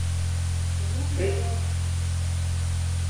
Critical opinion also improved.